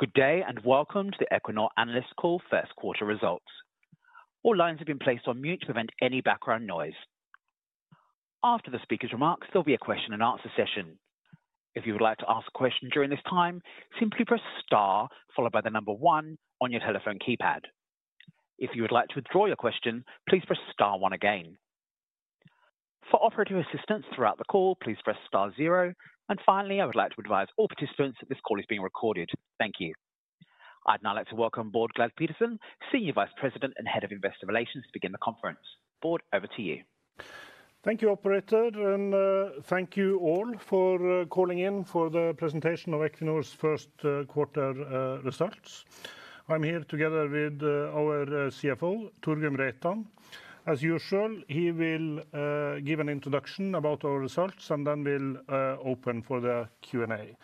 Good day and welcome to the Equinor Analyst Call First Quarter Results. All lines have been placed on mute to prevent any background noise. After the speaker's remarks, there'll be a question and answer session. If you would like to ask a question during this time, simply press * followed by the number one on your telephone keypad. If you would like to withdraw your question, please press * one again. For operator assistance throughout the call, please press * zero. Finally, I would like to advise all participants that this call is being recorded. Thank you. I'd now like to welcome Bård Glad Pedersen, Senior Vice President and Head of Investor Relations, to begin the conference. Bård Glad Pedersen, over to you. Thank you, Operator, and thank you all for calling in for the presentation of Equinor's first quarter results. I'm here together with our CFO, Torgrim Reitan. As usual, he will give an introduction about our results and then we'll open for the Q&A.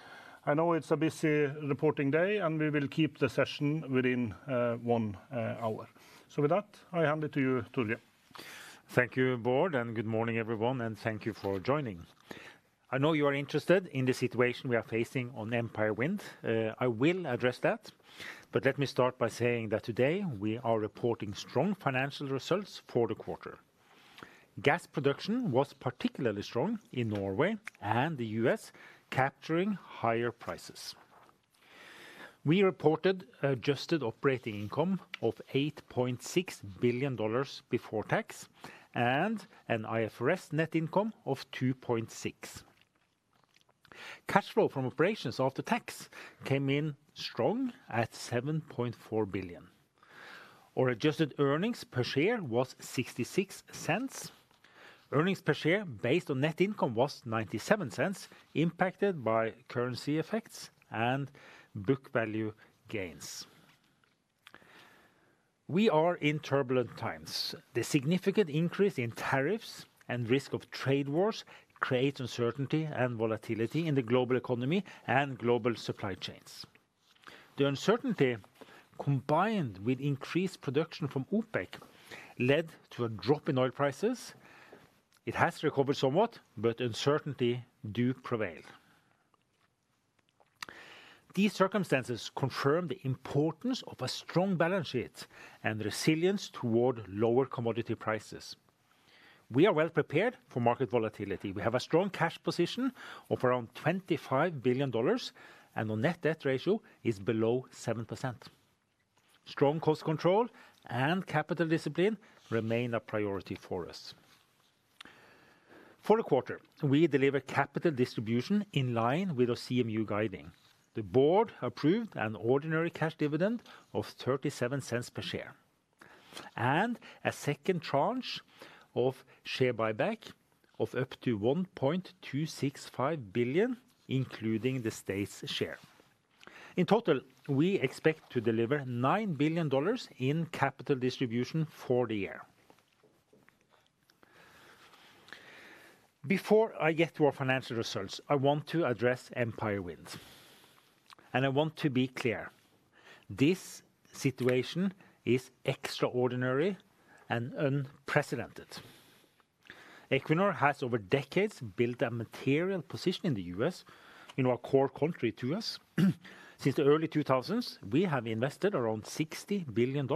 I know it's a busy reporting day, and we will keep the session within one hour. With that, I hand it to you, Torgrim Reitan. Thank you, Bård Glad Pedersen, and good morning, everyone, and thank you for joining. I know you are interested in the situation we are facing on Empire Wind. I will address that, but let me start by saying that today we are reporting strong financial results for the quarter. Gas production was particularly strong in Norway and the U.S., capturing higher prices. We reported adjusted operating income of $8.6 billion before tax and an IFRS net income of $2.6 billion. Cash flow from operations after tax came in strong at $7.4 billion. Our adjusted earnings per share was $0.66. Earnings per share based on net income was $0.97, impacted by currency effects and book value gains. We are in turbulent times. The significant increase in tariffs and risk of trade wars creates uncertainty and volatility in the global economy and global supply chains. The uncertainty, combined with increased production from OPEC, led to a drop in oil prices. It has recovered somewhat, but uncertainty does prevail. These circumstances confirm the importance of a strong balance sheet and resilience toward lower commodity prices. We are well prepared for market volatility. We have a strong cash position of around $25 billion, and our net debt ratio is below 7%. Strong cost control and capital discipline remain a priority for us. For the quarter, we delivered capital distribution in line with our CMU guiding. The board approved an ordinary cash dividend of $0.37 per share and a second tranche of share buyback of up to $1.265 billion, including the state's share. In total, we expect to deliver $9 billion in capital distribution for the year. Before I get to our financial results, I want to address Empire Wind, and I want to be clear. This situation is extraordinary and unprecedented. Equinor has over decades built a material position in the U.S., in our core country to us. Since the early 2000s, we have invested around $60 billion,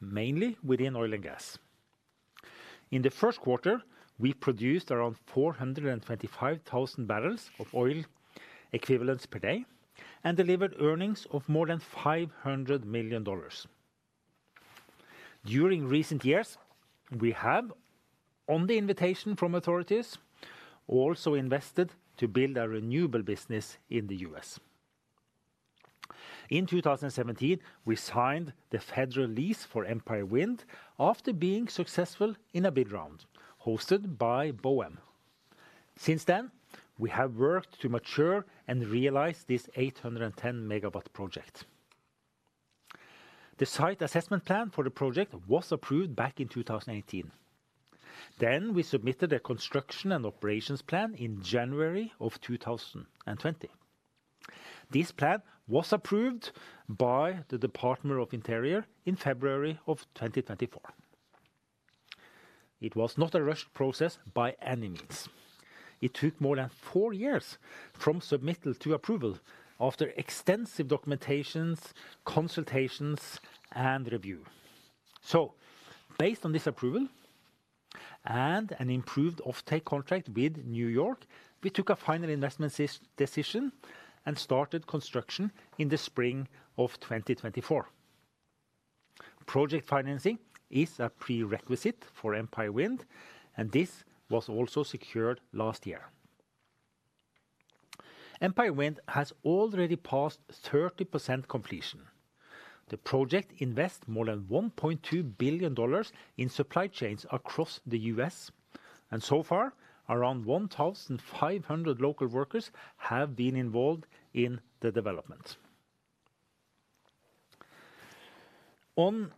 mainly within oil and gas. In the first quarter, we produced around 425,000 barrels of oil equivalents per day and delivered earnings of more than $500 million. During recent years, we have, on the invitation from authorities, also invested to build our renewable business in the U.S. In 2017, we signed the federal lease for Empire Wind after being successful in a bid round hosted by BOEM. Since then, we have worked to mature and realize this 810 megawatt project. The site assessment plan for the project was approved back in 2018. We submitted a construction and operations plan in January of 2020. This plan was approved by the Department of Interior in February of 2024. It was not a rushed process by any means. It took more than four years from submittal to approval after extensive documentation, consultations, and review. Based on this approval and an improved offtake contract with New York, we took a final investment decision and started construction in the spring of 2024. Project financing is a prerequisite for Empire Wind, and this was also secured last year. Empire Wind has already passed 30% completion. The project invests more than $1.2 billion in supply chains across the U.S., and so far, around 1,500 local workers have been involved in the development. On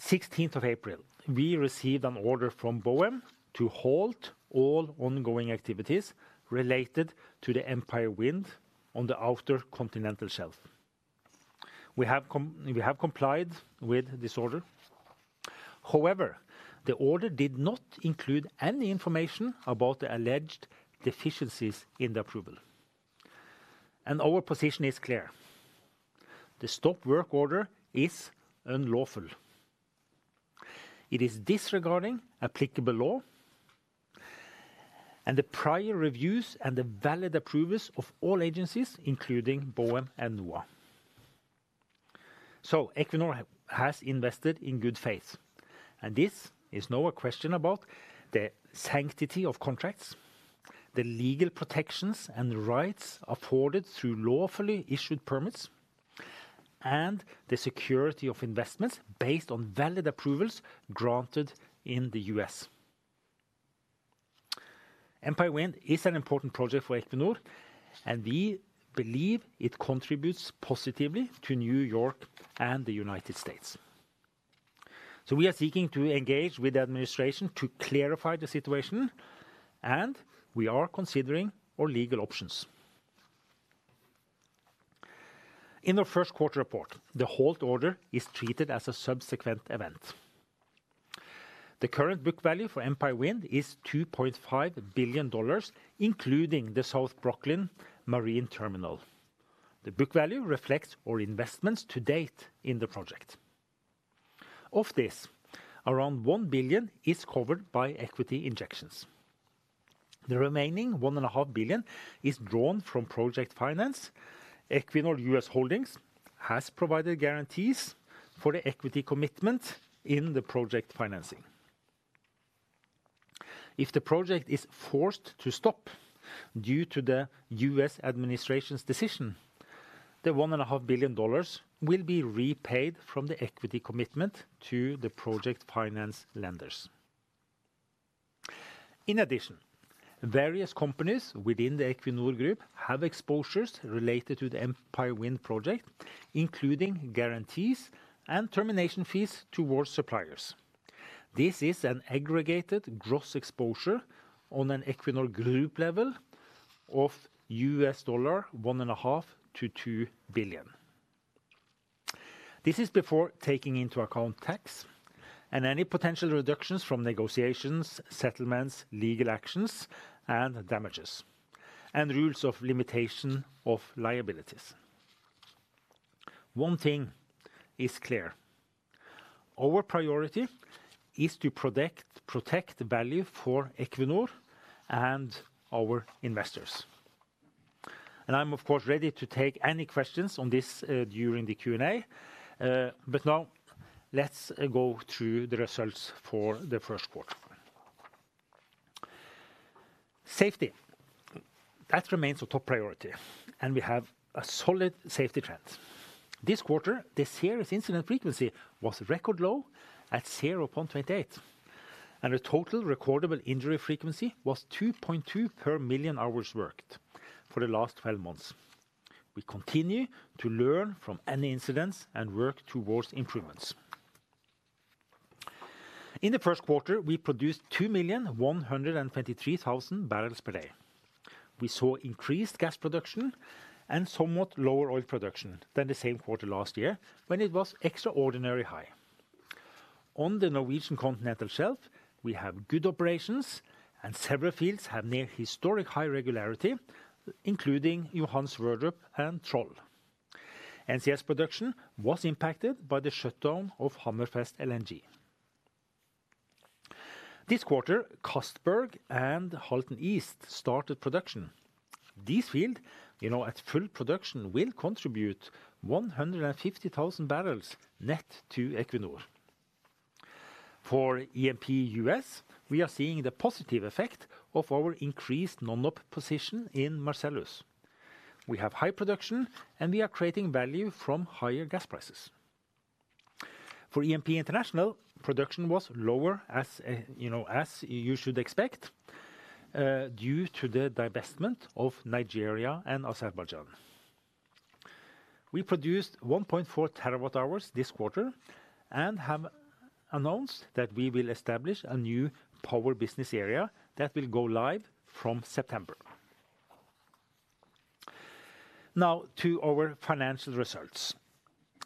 16th of April, we received an order from BOEM to halt all ongoing activities related to Empire Wind on the Outer Continental Shelf. We have complied with this order. However, the order did not include any information about the alleged deficiencies in the approval. Our position is clear. The stop work order is unlawful. It is disregarding applicable law and the prior reviews and the valid approvals of all agencies, including BOEM and NOAA. Equinor has invested in good faith, and this is no question about the sanctity of contracts, the legal protections and rights afforded through lawfully issued permits, and the security of investments based on valid approvals granted in the U.S. Empire Wind is an important project for Equinor, and we believe it contributes positively to New York and the United States. We are seeking to engage with the administration to clarify the situation, and we are considering our legal options. In our first quarter report, the halt order is treated as a subsequent event. The current book value for Empire Wind is $2.5 billion, including the South Brooklyn Marine Terminal. The book value reflects our investments to date in the project. Of this, around $1 billion is covered by equity injections. The remaining $1.5 billion is drawn from project finance. Equinor U.S. Holdings has provided guarantees for the equity commitment in the project financing. If the project is forced to stop due to the U.S., administration's decision, the $1.5 billion will be repaid from the equity commitment to the project finance lenders. In addition, various companies within the Equinor Group have exposures related to the Empire Wind project, including guarantees and termination fees towards suppliers. This is an aggregated gross exposure on an Equinor Group level of $1.5 billion-$2 billion. This is before taking into account tax and any potential reductions from negotiations, settlements, legal actions, and damages, and rules of limitation of liabilities. One thing is clear. Our priority is to protect value for Equinor and our investors. I'm, of course, ready to take any questions on this during the Q&A. Now, let's go through the results for the first quarter. Safety remains a top priority, and we have a solid safety trend. This quarter, this year's incident frequency was record low at 0.28, and the total recordable injury frequency was 2.2 per million hours worked for the last 12 months. We continue to learn from any incidents and work towards improvements. In the first quarter, we produced 2,123,000 barrels per day. We saw increased gas production and somewhat lower oil production than the same quarter last year, when it was extraordinarily high. On the Norwegian Continental Shelf, we have good operations, and several fields have near historic high regularity, including Johan Sverdrup and Troll. NCS production was impacted by the shutdown of Hammerfest LNG. This quarter, Castberg and Halten East started production. This field, you know, at full production will contribute 150,000 barrels net to Equinor. For E&P U.S., we are seeing the positive effect of our increased non-op position in Marcellus. We have high production, and we are creating value from higher gas prices. For E&P International, production was lower, as you know, as you should expect due to the divestment of Nigeria and Azerbaijan. We produced 1.4 terawatt hours this quarter and have announced that we will establish a new power business area that will go live from September. Now to our financial results.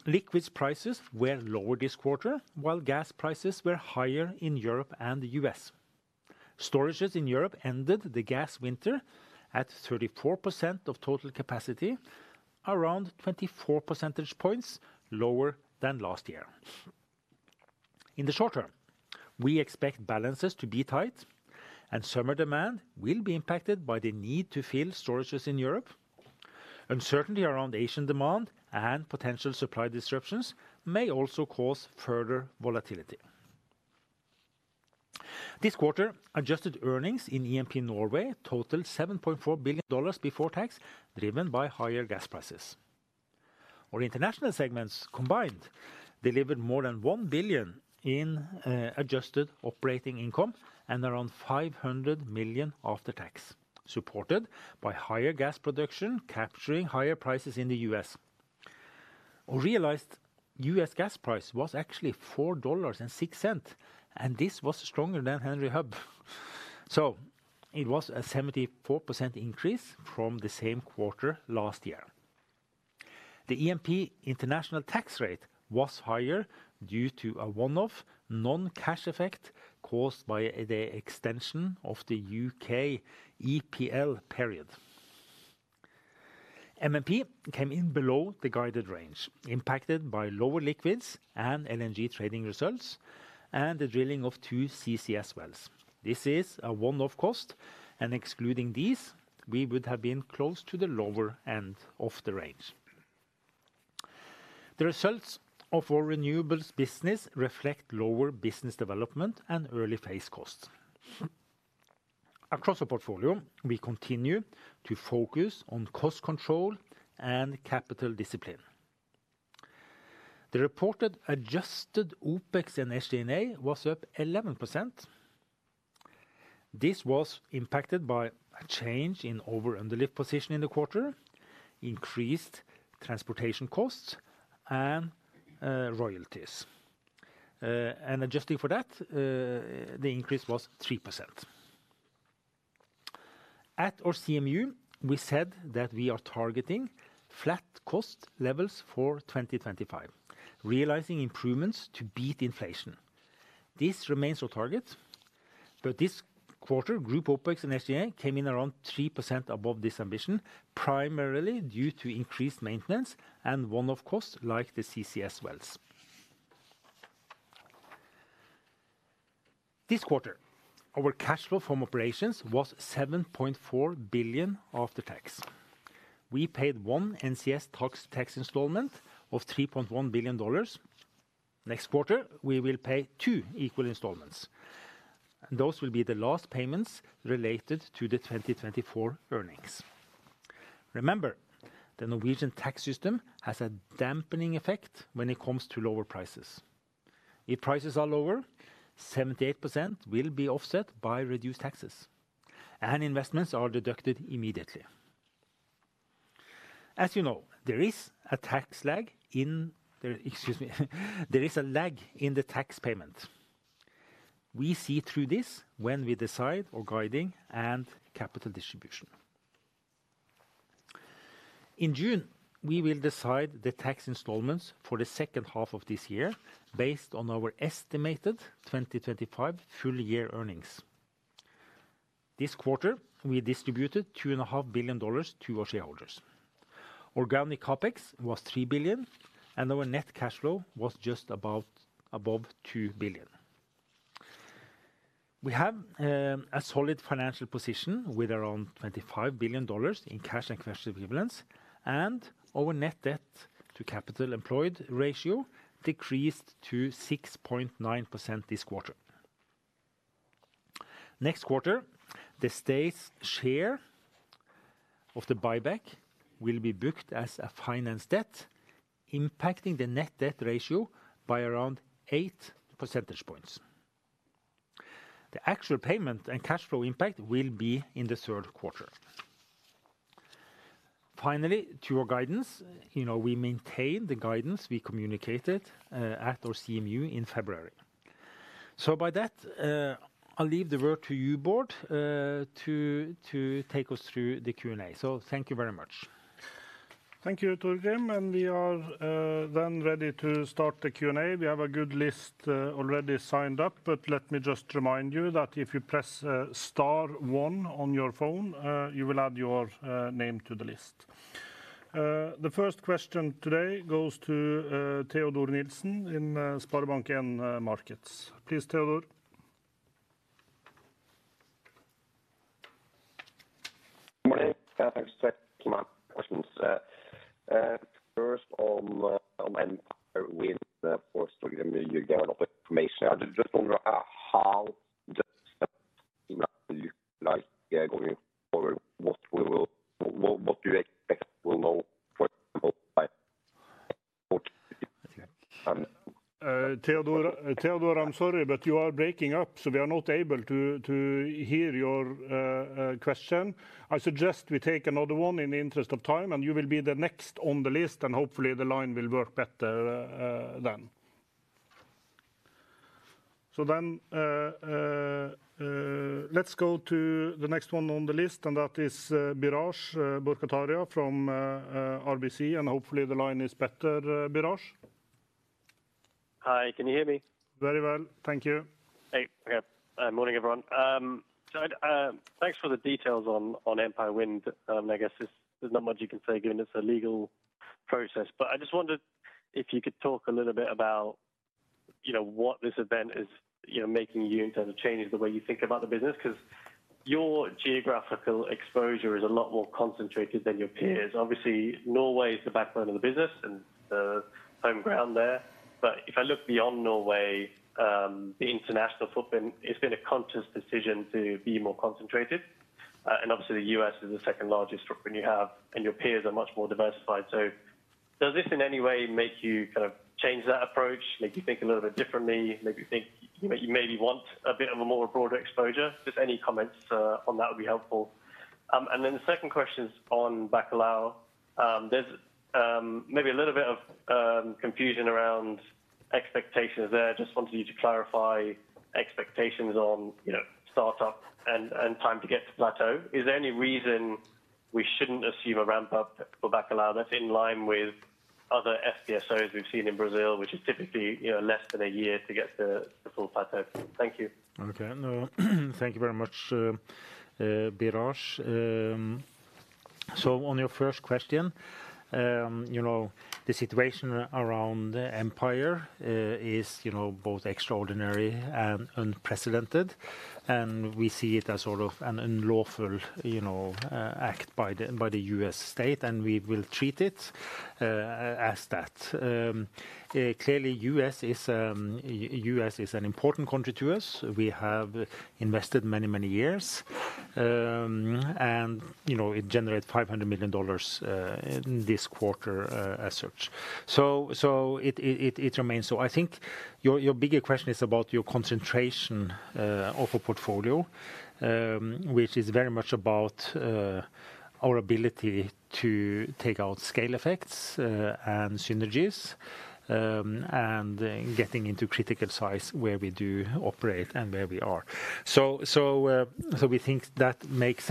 Liquids prices were lower this quarter, while gas prices were higher in Europe and the U.S. Storages in Europe ended the gas winter at 34% of total capacity, around 24 percentage points lower than last year. In the short term, we expect balances to be tight, and summer demand will be impacted by the need to fill storages in Europe. Uncertainty around Asian demand and potential supply disruptions may also cause further volatility. This quarter, adjusted earnings in E&P Norway totaled $7.4 billion before tax, driven by higher gas prices. Our international segments combined delivered more than $1 billion in adjusted operating income and around $500 million after tax, supported by higher gas production capturing higher prices in the U.S. Our realized U.S., gas price was actually $4.06, and this was stronger than Henry Hub. It was a 74% increase from the same quarter last year. The E&P international tax rate was higher due to a one-off non-cash effect caused by the extension of the U.K. EPL period. MMP came in below the guided range, impacted by lower liquids and LNG trading results and the drilling of two CCS wells. This is a one-off cost, and excluding these, we would have been close to the lower end of the range. The results of our renewables business reflect lower business development and early phase costs. Across the portfolio, we continue to focus on cost control and capital discipline. The reported adjusted OpEx and SG&A was up 11%. This was impacted by a change in over-under-live position in the quarter, increased transportation costs, and royalties. Adjusting for that, the increase was 3%. At our CMU, we said that we are targeting flat cost levels for 2025, realizing improvements to beat inflation. This remains our target, but this quarter, group OpEx and SG&A came in around 3% above this ambition, primarily due to increased maintenance and one-off costs like the CCS wells. This quarter, our cash flow from operations was $7.4 billion after tax. We paid one NCS tax installment of $3.1 billion. Next quarter, we will pay two equal installments, and those will be the last payments related to the 2024 earnings. Remember, the Norwegian tax system has a dampening effect when it comes to lower prices. If prices are lower, 78% will be offset by reduced taxes, and investments are deducted immediately. As you know, there is a tax lag in the—excuse me—there is a lag in the tax payment. We see through this when we decide our guiding and capital distribution. In June, we will decide the tax installments for the second half of this year based on our estimated 2025 full year earnings. This quarter, we distributed $2.5 billion to our shareholders. Organic CapEx was $3 billion, and our net cash flow was just above $2 billion. We have a solid financial position with around $25 billion in cash and cash equivalents, and our net debt to capital employed ratio decreased to 6.9% this quarter. Next quarter, the state's share of the buyback will be booked as a finance debt, impacting the net debt ratio by around 8 percentage points. The actual payment and cash flow impact will be in the third quarter. Finally, to your guidance, you know, we maintain the guidance we communicated at our CMU in February. By that, I'll leave the word to you, Bård Glad Pedersen, to take us through the Q&A. Thank you very much. Thank you, Torgrim Reitan, and we are then ready to start the Q&A. We have a good list already signed up, but let me just remind you that if you press star one on your phone, you will add your name to the list. The first question today goes to Teodor Sveen-Nilsen in SpareBank 1 Markets. Please, Teodor Sveen-Nilsen. Morning. Thanks for my questions. First, on Empire Wind, for Torgrim Reitan, you gave a lot of information. I just wonder how does that look like going forward? What do you expect will know, for example, by the next quarter? Teodor Sveen-Nilsen, I am sorry, but you are breaking up, so we are not able to hear your question. I suggest we take another one in the interest of time, and you will be the next on the list, and hopefully the line will work better then. Let's go to the next one on the list, and that is Biraj Borkhataria from RBC, and hopefully the line is better, Biraj Borkhataria. Hi, can you hear me? Very well, thank you. Hey, okay, morning everyone. Thanks for the details on Empire Wind. I guess there's not much you can say given it's a legal process, but I just wondered if you could talk a little bit about, you know, what this event is, you know, making you in terms of changing the way you think about the business, because your geographical exposure is a lot more concentrated than your peers. Obviously, Norway is the backbone of the business and the home ground there, but if I look beyond Norway, the international footprint, it's been a conscious decision to be more concentrated, and obviously the U.S., is the second largest footprint you have, and your peers are much more diversified. Does this in any way make you kind of change that approach, make you think a little bit differently, make you think you maybe want a bit of a more broader exposure? Just any comments on that would be helpful. The second question is on Bacalhau. There's maybe a little bit of confusion around expectations there. Just wanted you to clarify expectations on, you know, startup and time to get to plateau. Is there any reason we shouldn't assume a ramp-up for Bacalhau that's in line with other FPSOs we've seen in Brazil, which is typically, you know, less than a year to get to the full plateau? Thank you. Okay, thank you very much, Biraj Borkhataria. On your first question, you know, the situation around Empire is, you know, both extraordinary and unprecedented, and we see it as sort of an unlawful, you know, act by the U.S., state, and we will treat it as that. Clearly, U.S., is an important country to us. We have invested many, many years, and, you know, it generated $500 million in this quarter as such. It remains. I think your bigger question is about your concentration of a portfolio, which is very much about our ability to take out scale effects and synergies and getting into critical size where we do operate and where we are. We think that makes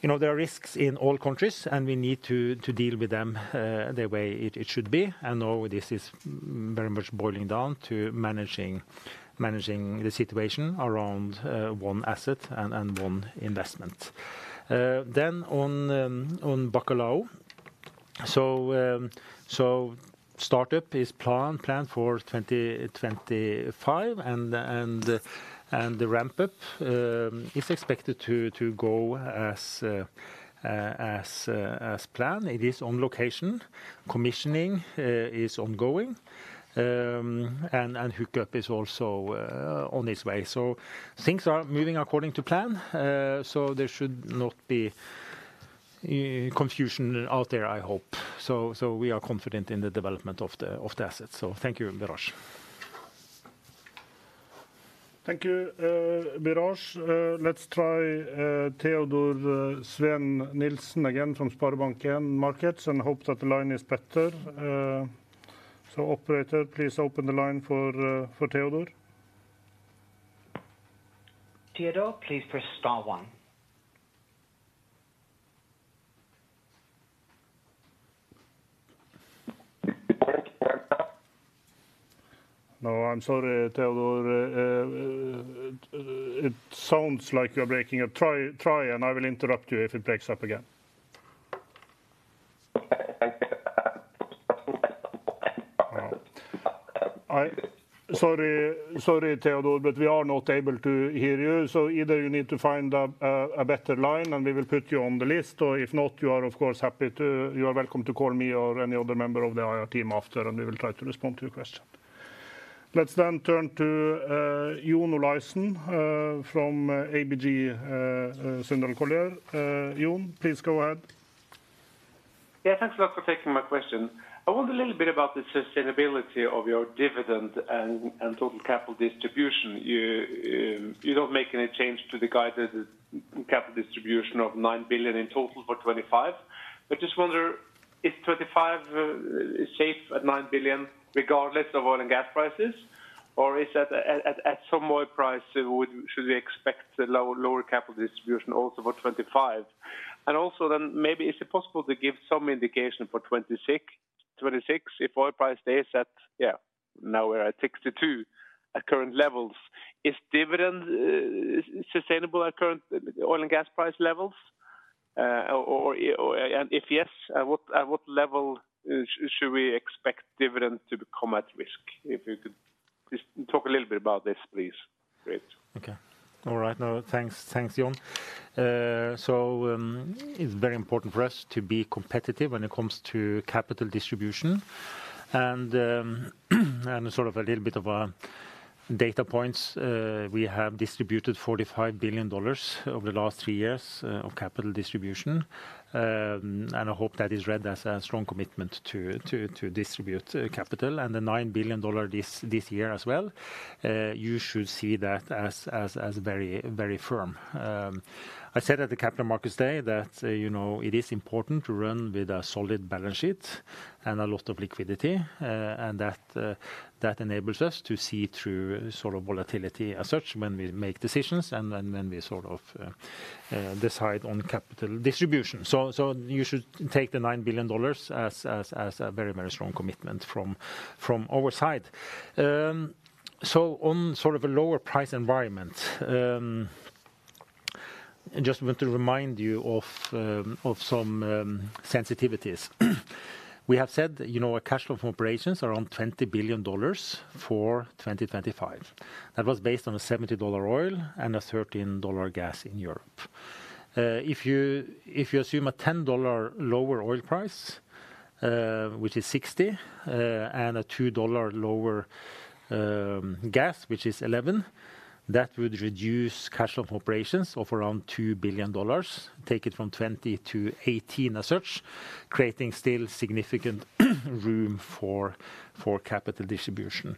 sense, and clearly, if you look at the political risk in our portfolio compared to many others, we have a significant high share of OECD countries in there. You know, there are risks in all countries, and we need to deal with them the way it should be, and now this is very much boiling down to managing the situation around one asset and one investment. On Bacalhau, startup is planned for 2025, and the ramp-up is expected to go as planned. It is on location. Commissioning is ongoing, and hookup is also on its way. Things are moving according to plan, so there should not be confusion out there, I hope. We are confident in the development of the assets. Thank you, Biraj Borkhataria. Thank you, Biraj Borkhataria. Let's try Teodor Sveen-Nilsen again from SpareBank 1 Markets. I hope that the line is better. Operator, please open the line for Theodor. Theodor, please press * one. I'm sorry, Theodor, it sounds like you are breaking up. Try again. I will interrupt you if it breaks up again. Sorry, Theodor, but we are not able to hear you. Either you need to find a better line, and we will put you on the list. If not, you are, of course, happy to. You are welcome to call me or any other member of the IR team after, and we will try to respond to your question. Let's then turn to John Olaisen from ABG Sundal Collier. John Olaisen, please go ahead. Yeah, thanks a lot for taking my question. I wonder a little bit about the sustainability of your dividend and total capital distribution. You don't make any change to the guided capital distribution of $9 billion in total for 2025. I just wonder, is 2025 safe at $9 billion regardless of oil and gas prices, or is that at some oil price should we expect lower capital distribution also for 2025? Also, then maybe is it possible to give some indication for 2026 if oil price stays at, yeah, now we're at $62 at current levels. Is dividend sustainable at current oil and gas price levels? If yes, at what level should we expect dividend to become at risk? If you could just talk a little bit about this, please. Great. Okay. All right. No, thanks, John Olaisen. It is very important for us to be competitive when it comes to capital distribution. And sort of a little bit of data points. We have distributed $45 billion over the last three years of capital distribution. I hope that is read as a strong commitment to distribute capital. The $9 billion this year as well, you should see that as very, very firm. I said at the Capital Markets Day that, you know, it is important to run with a solid balance sheet and a lot of liquidity, and that enables us to see through sort of volatility as such when we make decisions and when we sort of decide on capital distribution. You should take the $9 billion as a very, very strong commitment from our side. In sort of a lower price environment, I just want to remind you of some sensitivities. We have said, you know, a cash flow from operations around $20 billion for 2025. That was based on a $70 oil and a $13 gas in Europe. If you assume a $10 lower oil price, which is $60, and a $2 lower gas, which is $11, that would reduce cash flow from operations of around $2 billion, take it from $20 to $18 as such, creating still significant room for capital distribution.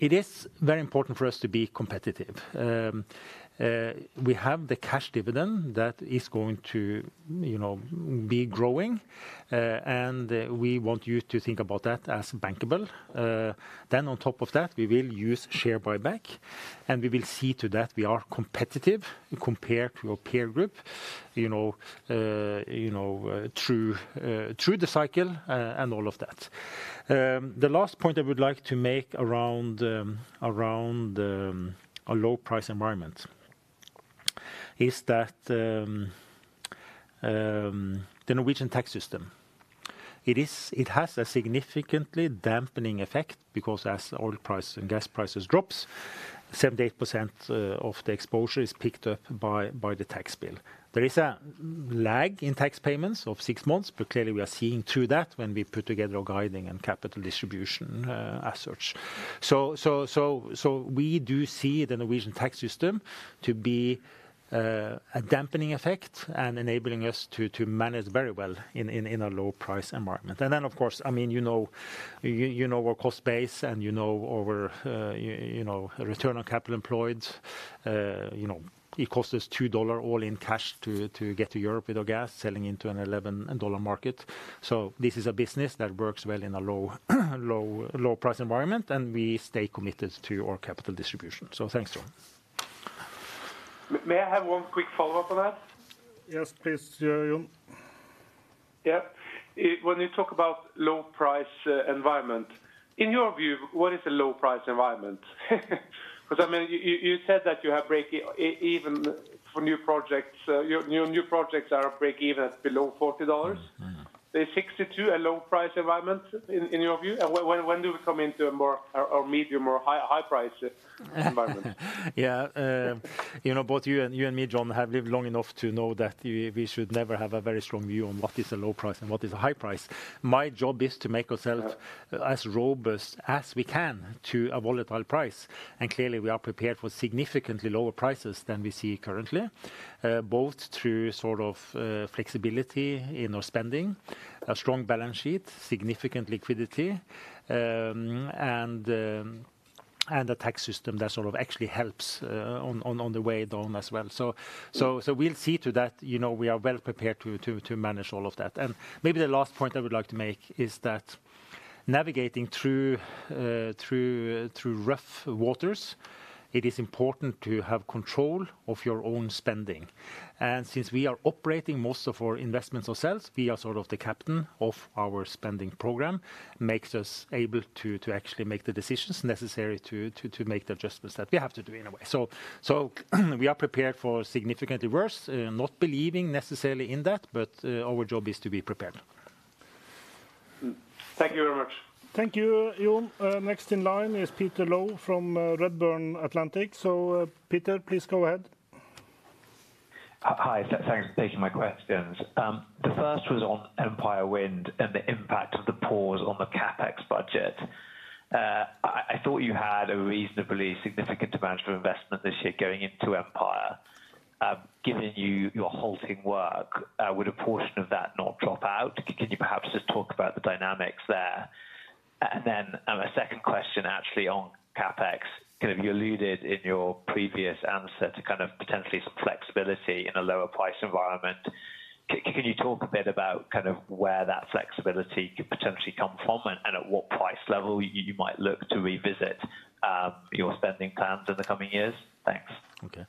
It is very important for us to be competitive. We have the cash dividend that is going to, you know, be growing, and we want you to think about that as bankable. On top of that, we will use share buyback, and we will see to that we are competitive compared to your peer group, you know, through the cycle and all of that. The last point I would like to make around a low price environment is that the Norwegian tax system, it has a significantly dampening effect because as oil price and gas prices drop, 78% of the exposure is picked up by the tax bill. There is a lag in tax payments of six months, but clearly we are seeing through that when we put together our guiding and capital distribution as such. We do see the Norwegian tax system to be a dampening effect and enabling us to manage very well in a low price environment. And then, of course, I mean, you know our cost base and you know our return on capital employed, you know, it costs us $2 all in cash to get to Europe with our gas selling into an $11 market. This is a business that works well in a low price environment, and we stay committed to our capital distribution. Thanks, John Olaisen. May I have one quick follow-up on that? Yes, please, John Olaisen. Yeah. When you talk about low price environment, in your view, what is a low price environment? Because, I mean, you said that you have break-even for new projects. Your new projects are break-even at below $40. Is $62 a low price environment in your view? And when do we come into a more medium or high price environment? Yeah, you know, both you and me, John Olaisen, have lived long enough to know that we should never have a very strong view on what is a low price and what is a high price. My job is to make ourselves as robust as we can to a volatile price. Clearly, we are prepared for significantly lower prices than we see currently, both through sort of flexibility in our spending, a strong balance sheet, significant liquidity, and a tax system that sort of actually helps on the way down as well. We will see to that, you know, we are well prepared to manage all of that. Maybe the last point I would like to make is that navigating through rough waters, it is important to have control of your own spending. Since we are operating most of our investments ourselves, we are sort of the captain of our spending program, which makes us able to actually make the decisions necessary to make the adjustments that we have to do in a way. We are prepared for significantly worse, not believing necessarily in that, but our job is to be prepared. Thank you very much. Thank you, John Olaisen. Next in line is Peter Low from Redburn Atlantic. Peter, please go ahead. Hi, thanks for taking my questions. The first was on Empire Wind and the impact of the pause on the CapEx budget. I thought you had a reasonably significant demand for investment this year going into Empire. Given your halting work, would a portion of that not drop out? Can you perhaps just talk about the dynamics there? Then a second question actually on CapEx, kind of you alluded in your previous answer to kind of potentially some flexibility in a lower price environment. Can you talk a bit about kind of where that flexibility could potentially come from and at what price level you might look to revisit your spending plans in the coming years? Thanks. Okay.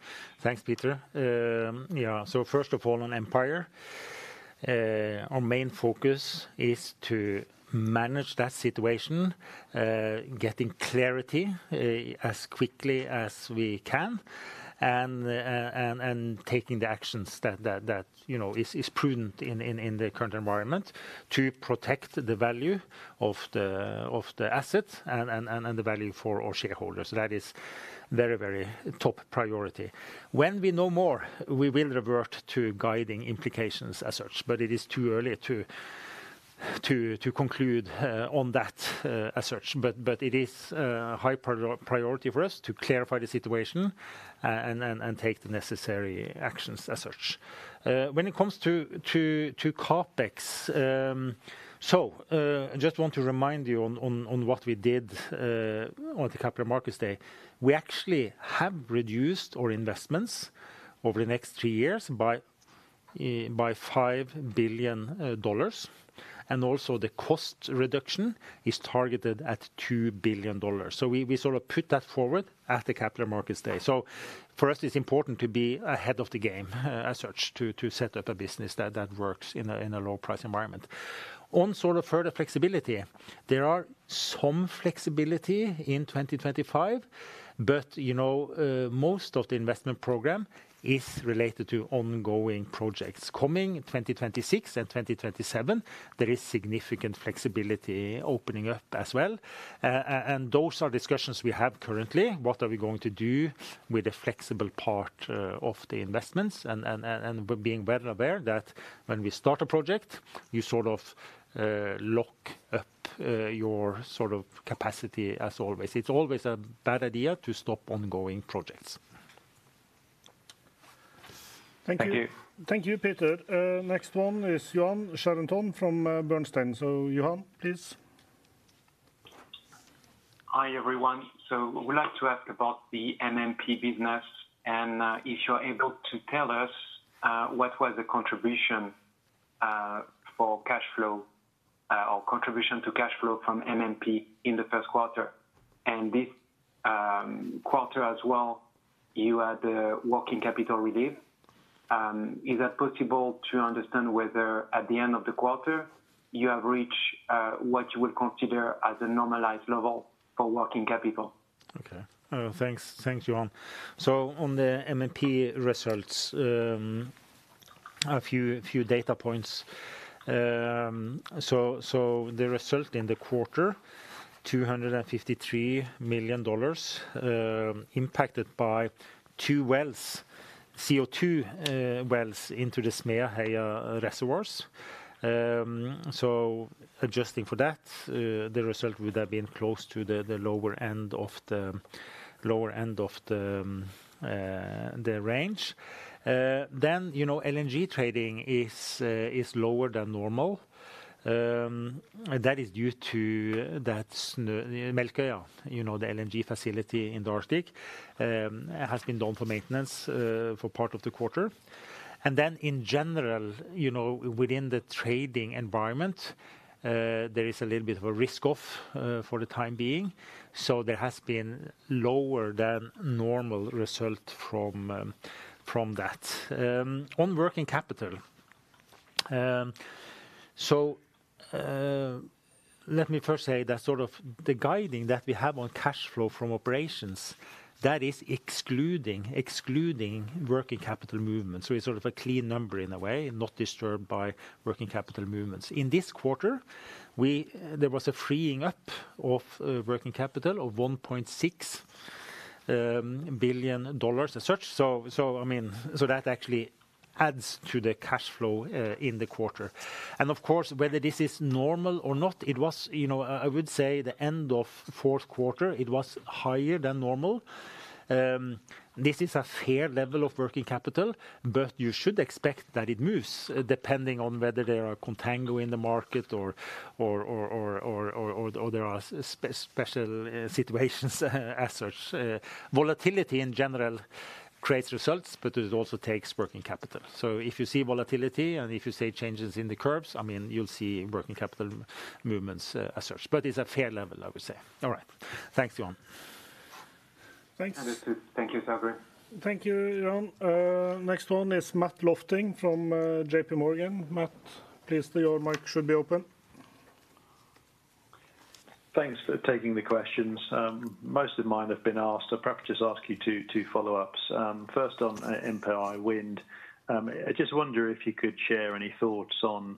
Peter Low. Yeah, first of all, on Empire, our main focus is to manage that situation, getting clarity as quickly as we can, and taking the actions that, you know, is prudent in the current environment to protect the value of the asset and the value for our shareholders. That is very, very top priority. When we know more, we will revert to guiding implications as such, but it is too early to conclude on that as such. It is a high priority for us to clarify the situation and take the necessary actions as such. When it comes to CapEx, I just want to remind you on what we did on the Capital Markets Day. We actually have reduced our investments over the next three years by $5 billion, and also the cost reduction is targeted at $2 billion. We sort of put that forward at the Capital Markets Day. For us, it's important to be ahead of the game as such to set up a business that works in a low price environment. On sort of further flexibility, there is some flexibility in 2025, but you know, most of the investment program is related to ongoing projects. Coming 2026 and 2027, there is significant flexibility opening up as well. Those are discussions we have currently. What are we going to do with the flexible part of the investments and being well aware that when we start a project, you sort of lock up your sort of capacity as always. It's always a bad idea to stop ongoing projects. Thank you. Thank Peter Low. Next one is Yoann Charenton from Société Générale. So Yoann Charenton, please. Hi everyone. So we'd like to ask about the MMP business and if you're able to tell us what was the contribution for cash flow or contribution to cash flow from MMP in the first quarter. And this quarter as well, you had the working capital relief. Is that possible to understand whether at the end of the quarter, you have reached what you would consider as a normalized level for working capital? Okay. Thanks, Yoann Charenton. On the MMP results, a few data points. The result in the quarter, $253 million impacted by two wells, CO2 wells into the Smeaheia reservoirs. Adjusting for that, the result would have been close to the lower end of the lower end of the range. You know, LNG trading is lower than normal. That is due to that Melkøya, you know, the LNG facility in the Arctic, has been down for maintenance for part of the quarter. In general, you know, within the trading environment, there is a little bit of a risk-off for the time being. There has been lower than normal result from that. On working capital, let me first say that sort of the guiding that we have on cash flow from operations, that is excluding working capital movements. It is sort of a clean number in a way, not disturbed by working capital movements. In this quarter, there was a freeing up of working capital of $1.6 billion as such. I mean, that actually adds to the cash flow in the quarter. Of course, whether this is normal or not, it was, you know, I would say the end of fourth quarter, it was higher than normal. This is a fair level of working capital, but you should expect that it moves depending on whether there are contango in the market or there are special situations as such. Volatility in general creates results, but it also takes working capital. If you see volatility and if you see changes in the curves, I mean, you'll see working capital movements as such. It is a fair level, I would say. All right. Thanks, Yoann Charenton. Thanks. Thank you, Torgrim Reitan. Thank you, Yoann Charenton. Next one is Matt Lofting from JPMorgan. Matt Lofting, please, your mic should be open. Thanks for taking the questions. Most of mine have been asked. I'll perhaps just ask you two follow-ups. First on Empire Wind, I just wonder if you could share any thoughts on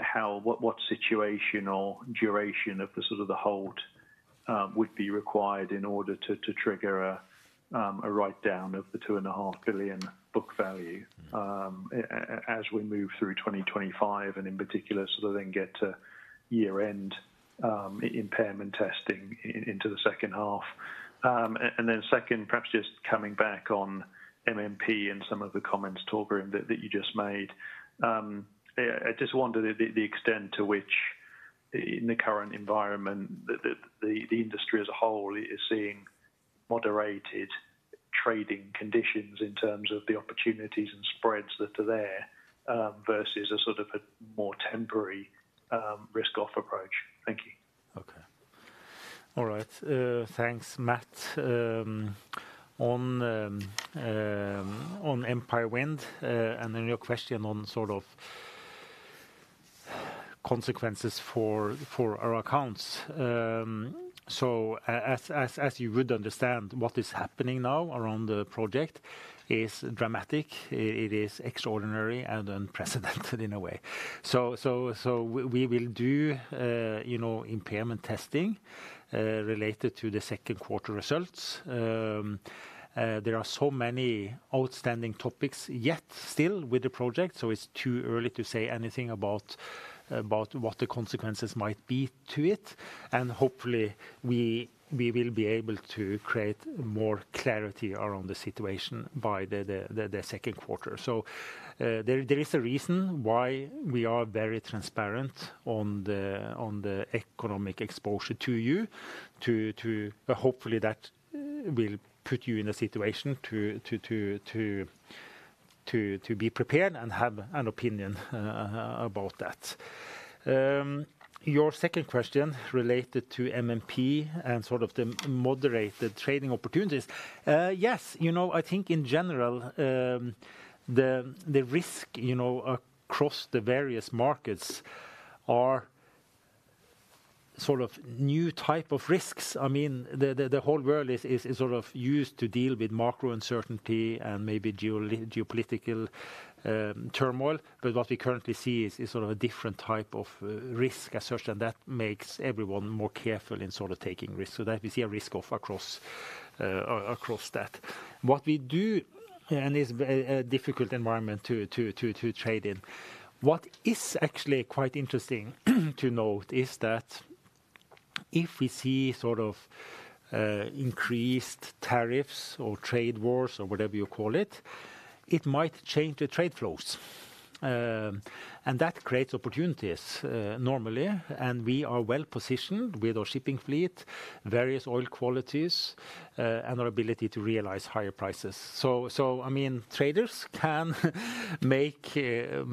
how what situation or duration of the sort of the hold would be required in order to trigger a write-down of the $2.5 billion book value as we move through 2025 and in particular sort of then get to year-end impairment testing into the second half. And then second, perhaps just coming back on MMP and some of the comments Torgrim Reitan that you just made, I just wondered the extent to which in the current environment the industry as a whole is seeing moderated trading conditions in terms of the opportunities and spreads that are there versus a sort of a more temporary risk-off approach. Thank you. Okay. All right. Thanks, Matt Lofting. On Empire Wind and then your question on sort of consequences for our accounts. As you would understand, what is happening now around the project is dramatic. It is extraordinary and unprecedented in a way. We will do, you know, impairment testing related to the second quarter results. There are so many outstanding topics yet still with the project, so it is too early to say anything about what the consequences might be to it. Hopefully, we will be able to create more clarity around the situation by the second quarter. There is a reason why we are very transparent on the economic exposure to you. Hopefully, that will put you in a situation to be prepared and have an opinion about that. Your second question related to MMP and sort of the moderated trading opportunities. Yes, you know, I think in general, the risk, you know, across the various markets are sort of new type of risks. I mean, the whole world is sort of used to deal with macro uncertainty and maybe geopolitical turmoil, but what we currently see is sort of a different type of risk as such, and that makes everyone more careful in sort of taking risks. We see a risk-off across that. What we do, and it's a difficult environment to trade in, what is actually quite interesting to note is that if we see sort of increased tariffs or trade wars or whatever you call it, it might change the trade flows. That creates opportunities normally, and we are well positioned with our shipping fleet, various oil qualities, and our ability to realize higher prices. I mean, traders can make value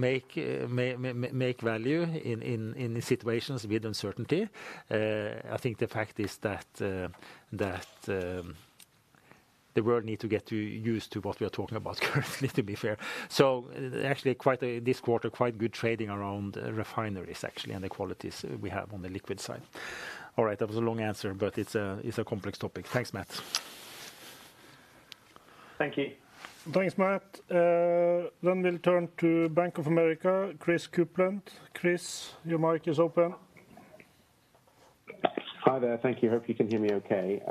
in situations with uncertainty. I think the fact is that the world needs to get used to what we are talking about currently, to be fair. Actually, this quarter, quite good trading around refineries actually and the qualities we have on the liquid side. All right, that was a long answer, but it's a complex topic. Thanks, Matt Lofting. Thank you. Thanks, Matt Lofting. We will turn to Bank of America, Christopher Kuplent. Chris, your mic is open. Hi there, thank you. Hope you can hear me okay.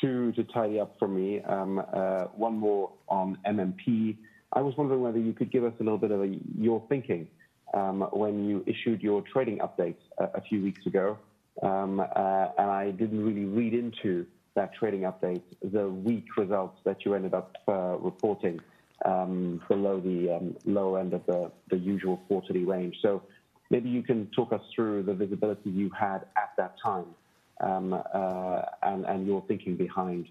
Just to tidy up for me, one more on MMP. I was wondering whether you could give us a little bit of your thinking when you issued your trading updates a few weeks ago, and I didn't really read into that trading update the weak results that you ended up reporting below the low end of the usual quarterly range. Maybe you can talk us through the visibility you had at that time and your thinking behind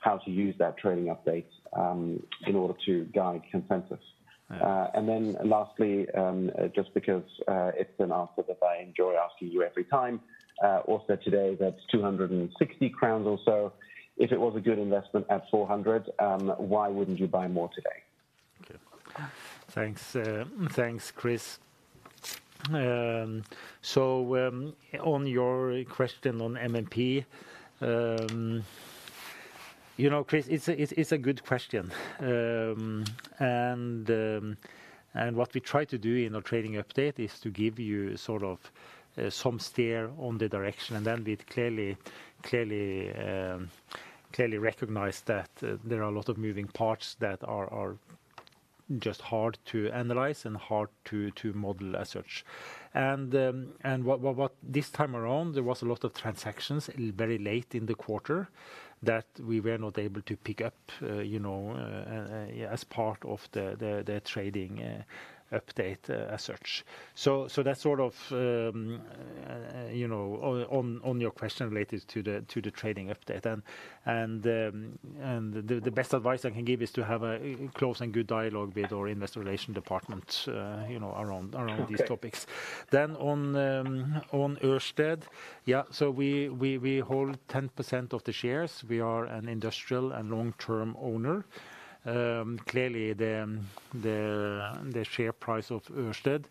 how to use that trading update in order to guide consensus. Lastly, just because it's an answer that I enjoy asking you every time, also today, that's 260 crowns or so. If it was a good investment at 400, why wouldn't you buy more today? Okay. Thanks. Thanks, Christopher Kuplent. On your question on MMP, you know, Chris, it's a good question. What we try to do in our trading update is to give you sort of some steer on the direction, and then we clearly recognize that there are a lot of moving parts that are just hard to analyze and hard to model as such. What this time around, there was a lot of transactions very late in the quarter that we were not able to pick up, you know, as part of the trading update as such. That is sort of, you know, on your question related to the trading update. The best advice I can give is to have a close and good dialogue with our investor relation department, you know, around these topics. On Ørsted, yeah, we hold 10% of the shares. We are an industrial and long-term owner. Clearly, the share price of Ørsted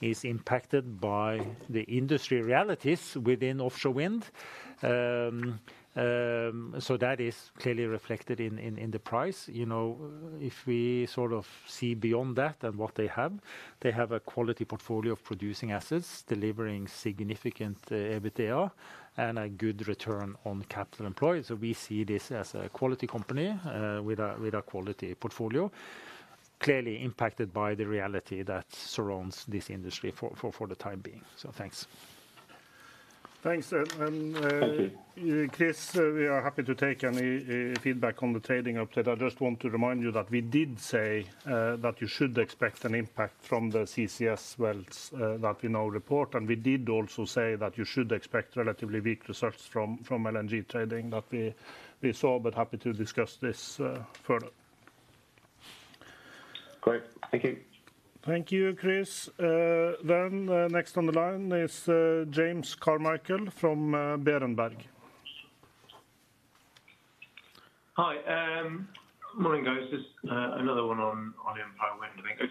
is impacted by the industry realities within offshore wind. That is clearly reflected in the price. You know, if we sort of see beyond that and what they have, they have a quality portfolio of producing assets, delivering significant EBITDA, and a good return on capital employed. We see this as a quality company with a quality portfolio, clearly impacted by the reality that surrounds this industry for the time being. Thanks. Thanks. Christopher Kuplent, we are happy to take any feedback on the trading update. I just want to remind you that we did say that you should expect an impact from the CCS Wells that we now report, and we did also say that you should expect relatively weak results from LNG trading that we saw, but happy to discuss this further. Great. Thank you. Thank you, Chris. Next on the line is James Carmichael from Berenberg. Hi. Morning, guys. Just another one on Empire Wind, I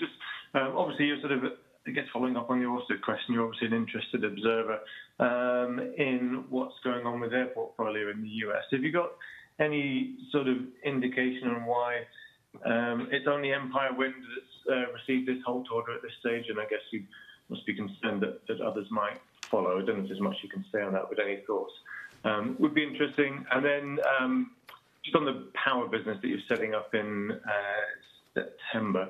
think. Obviously, you're sort of, I guess, following up on your question. You're obviously an interested observer in what's going on with airport portfolio in the U.S. Have you got any sort of indication on why it's only Empire Wind that's received this hold order at this stage? I guess you must be concerned that others might follow. I don't know if there's much you can say on that with any thoughts. Would be interesting. Just on the power business that you're setting up in September,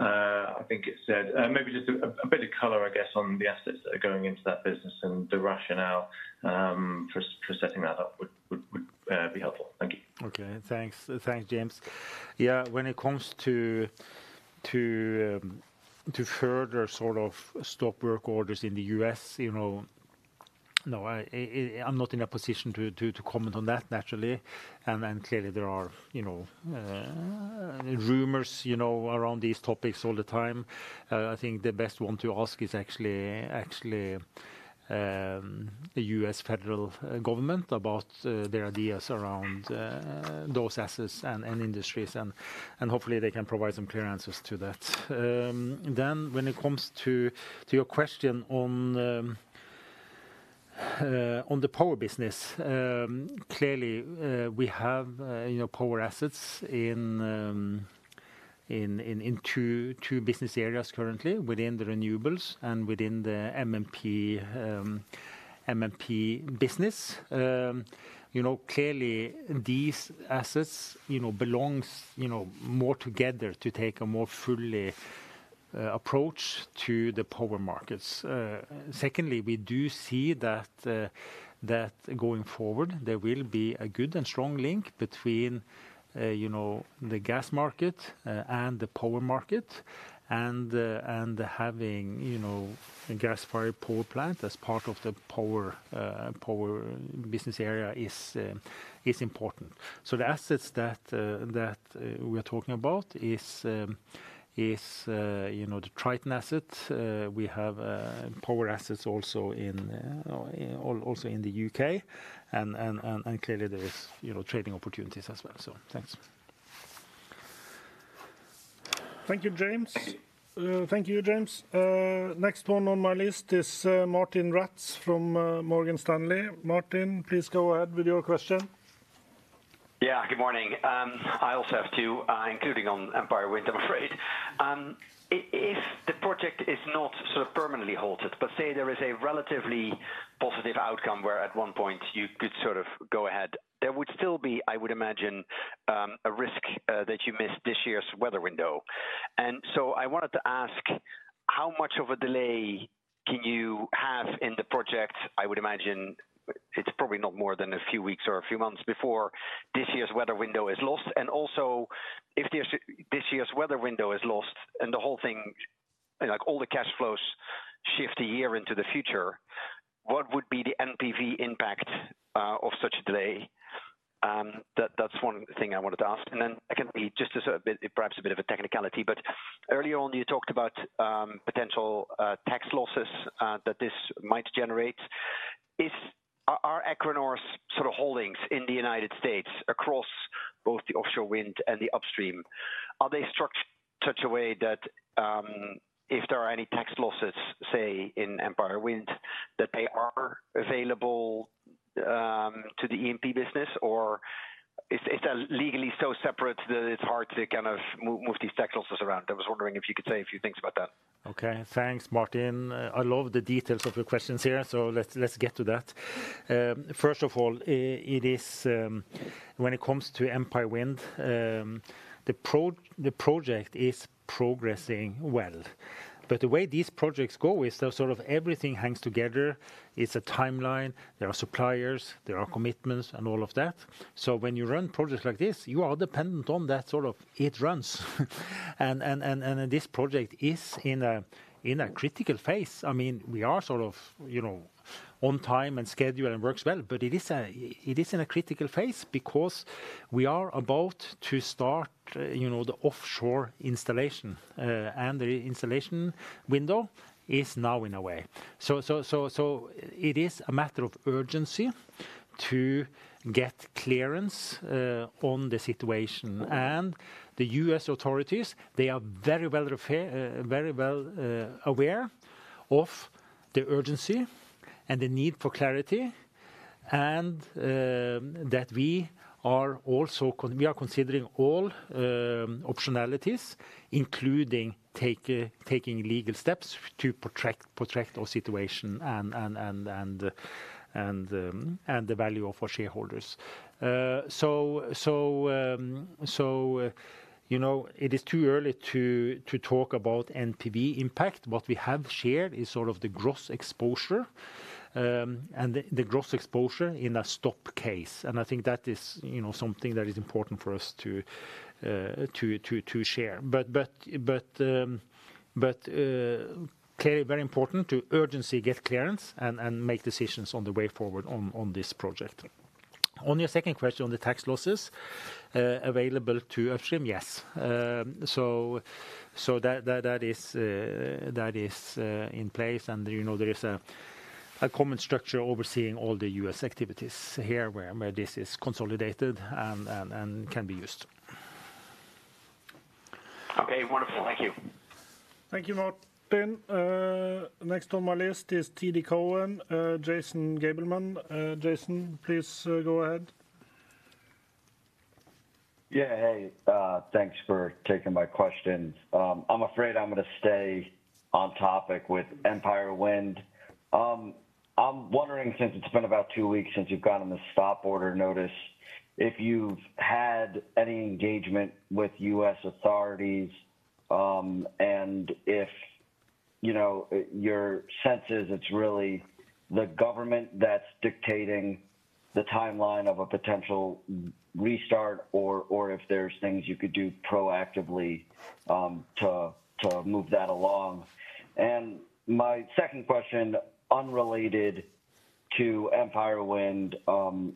I think it said maybe just a bit of color, I guess, on the assets that are going into that business and the rationale for setting that up would be helpful. Thank you. Okay. Thanks. Thanks, James. Yeah, when it comes to further sort of stop work orders in the U.S., you know, no, I'm not in a position to comment on that, naturally. Clearly, there are rumors around these topics all the time. I think the best one to ask is actually the U.S., federal government about their ideas around those assets and industries, and hopefully, they can provide some clear answers to that. When it comes to your question on the power business, clearly, we have power assets in two business areas currently within the renewables and within the MMP business. You know, clearly, these assets belong more together to take a more fully approach to the power markets. Secondly, we do see that going forward, there will be a good and strong link between the gas market and the power market, and having a gas-fired power plant as part of the power business area is important. The assets that we are talking about is the Triton asset. We have power assets also in the U.K., and clearly, there are trading opportunities as well. Thank you, James. Thank you, James. Next one on my list is Martijn Rats from Morgan Stanley. Martin, please go ahead with your question. Yeah, good morning. I also have two, including on Empire Wind, I'm afraid. If the project is not sort of permanently halted, but say there is a relatively positive outcome where at one point you could sort of go ahead, there would still be, I would imagine, a risk that you miss this year's weather window. I wanted to ask how much of a delay can you have in the project? I would imagine it's probably not more than a few weeks or a few months before this year's weather window is lost. Also, if this year's weather window is lost and the whole thing, like all the cash flows shift a year into the future, what would be the NPV impact of such a delay? That's one thing I wanted to ask. Secondly, just perhaps a bit of a technicality, but earlier on, you talked about potential tax losses that this might generate. Are Equinor's sort of holdings in the United States across both the offshore wind and the upstream, are they structured in such a way that if there are any tax losses, say, in Empire Wind, that they are available to the E&P business, or is that legally so separate that it's hard to kind of move these tax losses around? I was wondering if you could say a few things about that. Okay, thanks, Martin. I love the details of your questions here, so let's get to that. First of all, when it comes to Empire Wind, the project is progressing well. The way these projects go is sort of everything hangs together. It's a timeline. There are suppliers. There are commitments and all of that. When you run projects like this, you are dependent on that sort of it runs. This project is in a critical phase. I mean, we are sort of on time and schedule and works well, but it is in a critical phase because we are about to start the offshore installation, and the installation window is now in a way. It is a matter of urgency to get clearance on the situation. The U.S., authorities, they are very well aware of the urgency and the need for clarity and that we are also considering all optionalities, including taking legal steps to protect our situation and the value of our shareholders. It is too early to talk about NPV impact. What we have shared is sort of the gross exposure and the gross exposure in a stop case. I think that is something that is important for us to share. Clearly, very important to urgently get clearance and make decisions on the way forward on this project. On your second question on the tax losses available to upstream, yes. That is in place, and there is a common structure overseeing all the U.S., activities here where this is consolidated and can be used. Okay, wonderful. Thank you. Thank you, Martin. Next on my list is TD Cowen, Jason Gabelman. Jason, please go ahead. Yeah, hey, thanks for taking my questions. I'm afraid I'm going to stay on topic with Empire Wind. I'm wondering, since it's been about two weeks since you've gotten the stop order notice, if you've had any engagement with U.S., authorities and if your sense is it's really the government that's dictating the timeline of a potential restart or if there's things you could do proactively to move that along. My second question, unrelated to Empire Wind,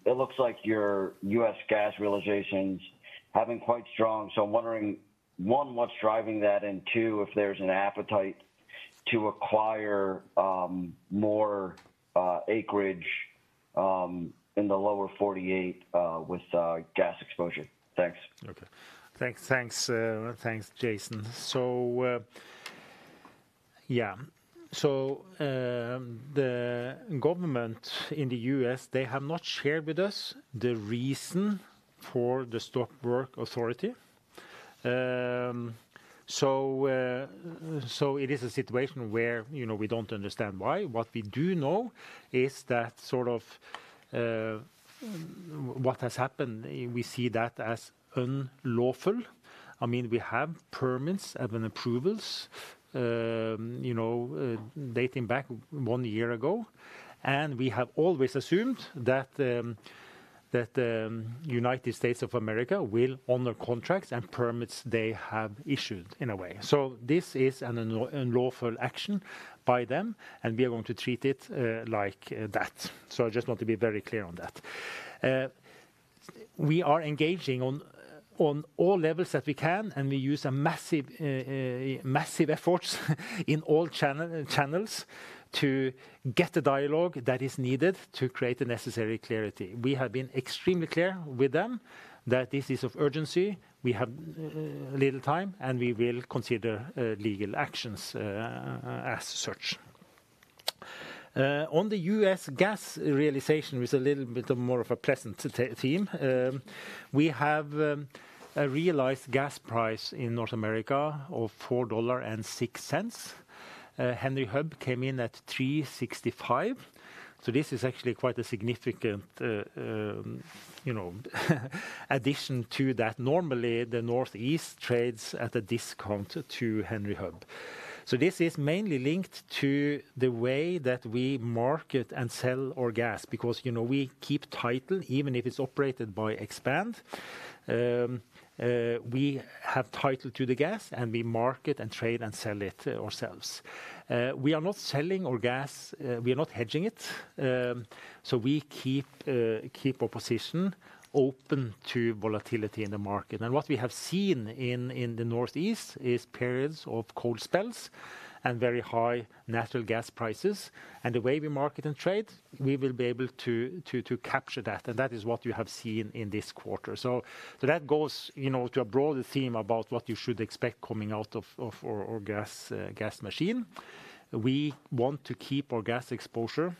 it looks like your U.S., gas realizations have been quite strong. I'm wondering, one, what's driving that, and two, if there's an appetite to acquire more acreage in the lower 48 with gas exposure. Thanks. Okay. Thanks, Jason. The government in the U.S., they have not shared with us the reason for the stop work authority. It is a situation where we don't understand why. What we do know is that sort of what has happened, we see that as unlawful. I mean, we have permits and approvals dating back one year ago, and we have always assumed that the United States of America will honor contracts and permits they have issued in a way. This is an unlawful action by them, and we are going to treat it like that. I just want to be very clear on that. We are engaging on all levels that we can, and we use massive efforts in all channels to get the dialogue that is needed to create the necessary clarity. We have been extremely clear with them that this is of urgency. We have little time, and we will consider legal actions as such. On the U.S., gas realization, which is a little bit more of a pleasant theme, we have realized gas price in North America of $4.06. Henry Hub came in at $3.65. This is actually quite a significant addition to that. Normally, the Northeast trades at a discount to Henry Hub. This is mainly linked to the way that we market and sell our gas because we keep title, even if it's operated by EQT. We have title to the gas, and we market and trade and sell it ourselves. We are not selling our gas. We are not hedging it. We keep our position open to volatility in the market. What we have seen in the Northeast is periods of cold spells and very high natural gas prices. The way we market and trade, we will be able to capture that. That is what you have seen in this quarter. That goes to a broader theme about what you should expect coming out of our gas machine. We want to keep our gas exposure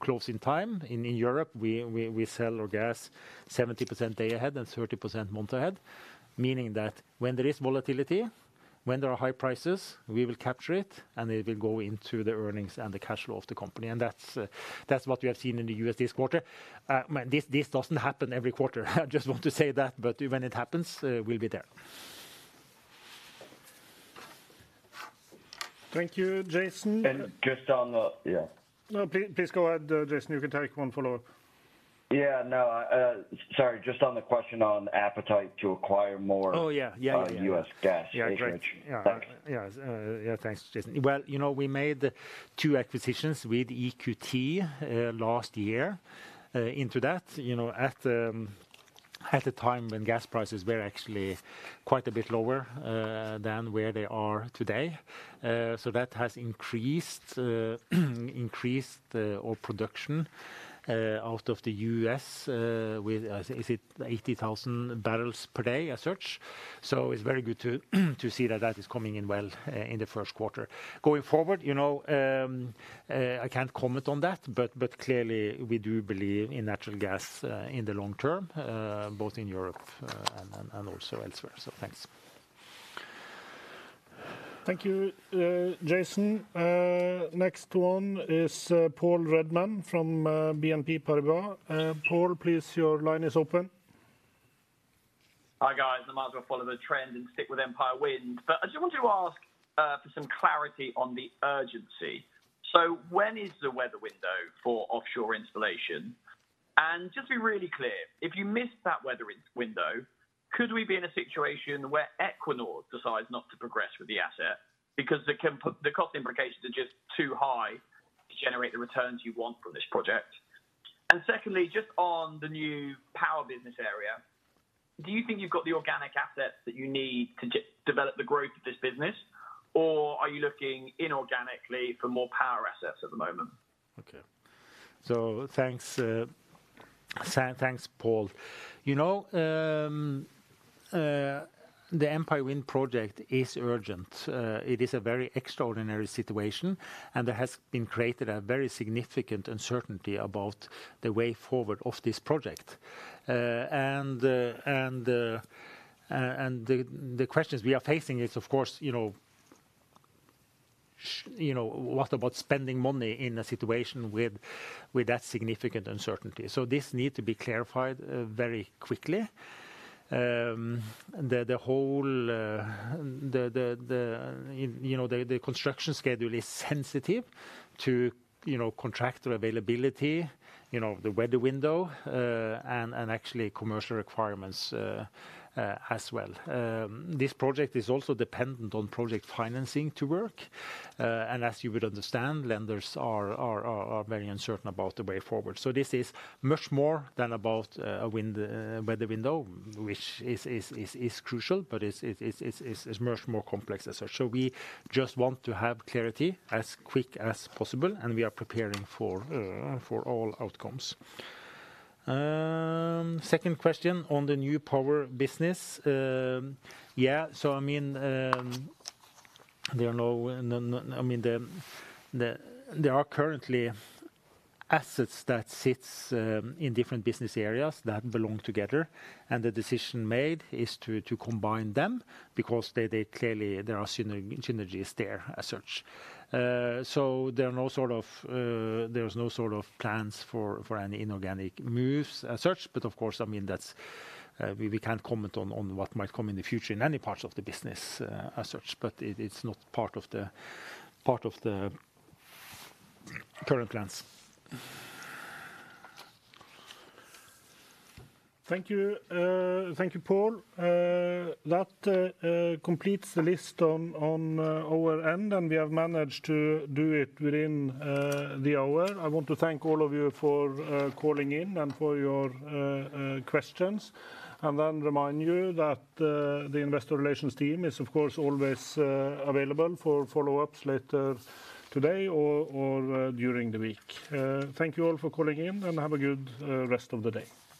close in time. In Europe, we sell our gas 70% day ahead and 30% month ahead, meaning that when there is volatility, when there are high prices, we will capture it, and it will go into the earnings and the cash flow of the company. That is what we have seen in the U.S., this quarter. This does not happen every quarter. I just want to say that, but when it happens, we will be there. Thank you, Jason. Just on the, yeah. No, please go ahead, Jason. You can take one follow-up. Yeah, no, sorry. Just on the question on appetite to acquire more U.S., gas. Yeah, great. Yeah, thanks, Jason. You know, we made two acquisitions with EQT last year into that at a time when gas prices were actually quite a bit lower than where they are today. That has increased our production out of the U.S. with, is it 80,000 barrels per day as such. It is very good to see that that is coming in well in the first quarter. Going forward, you know, I can't comment on that, but clearly, we do believe in natural gas in the long term, both in Europe and also elsewhere. Thanks. Thank you, Jason. Next one is Paul Redman from BNP Paribas. Paul, please, your line is open. Hi guys, I might as well follow the trend and stick with Empire Wind, but I just wanted to ask for some clarity on the urgency. When is the weather window for offshore installation? Just to be really clear, if you miss that weather window, could we be in a situation where Equinor decides not to progress with the asset because the cost implications are just too high to generate the returns you want from this project? Secondly, just on the new power business area, do you think you've got the organic assets that you need to develop the growth of this business, or are you looking inorganically for more power assets at the moment? Okay, thanks, Paul. You know, the Empire Wind project is urgent. It is a very extraordinary situation, and there has been created a very significant uncertainty about the way forward of this project. The questions we are facing are, of course, what about spending money in a situation with that significant uncertainty? This needs to be clarified very quickly. The construction schedule is sensitive to contractor availability, the weather window, and actually commercial requirements as well. This project is also dependent on project financing to work. As you would understand, lenders are very uncertain about the way forward. This is much more than about a weather window, which is crucial, but is much more complex as such. We just want to have clarity as quick as possible, and we are preparing for all outcomes. Second question on the new power business. Yeah, I mean, there are currently assets that sit in different business areas that belong together, and the decision made is to combine them because clearly there are synergies there as such. There are no sort of, there's no sort of plans for any inorganic moves as such, but of course, I mean, we can't comment on what might come in the future in any parts of the business as such, but it's not part of the current plans. Thank you, Paul. That completes the list on our end, and we have managed to do it within the hour. I want to thank all of you for calling in and for your questions. I remind you that the investor relations team is, of course, always available for follow-ups later today or during the week. Thank you all for calling in, and have a good rest of the day.